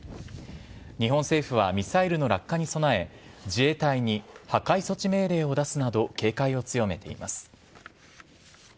日本政府はミサイルの落下に備え、自衛隊に破壊措置命令を出すなど、警戒を強めています。